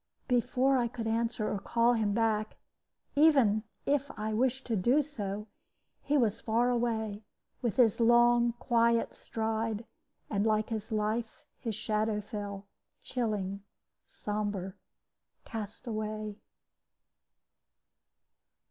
Before I could answer or call him back, if I even wished to do so, he was far away, with his long, quiet stride; and, like his life, his shadow fell, chilling, sombre, cast away.